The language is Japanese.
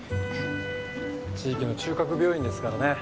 地域の中核病院ですからね。